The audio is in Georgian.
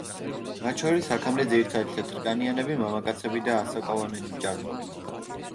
მათ შორის აქამდე ძირითადად თეთრკანიანები, მამაკაცები და ასაკოვანნი ჭარბობდნენ.